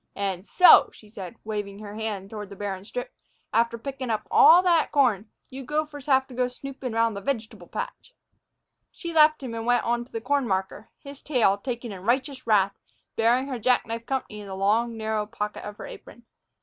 "And so," she said, waving her hand toward the barren strip, "after pickin' up all that corn, you gophers have to go a snoopin' round the veg'table patch!" She left him and went on to the corn marker, his tail, taken in righteous wrath, bearing her jack knife company in the long, narrow pocket of her apron.